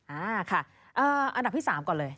อ่าค่ะอันดับที่๓ก่อนเลย